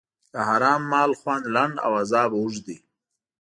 د حرام مال خوند لنډ او عذاب اوږد دی.